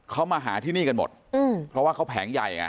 เขามาหาที่นี่กันหมดเพราะว่าเขาแผงใหญ่ไง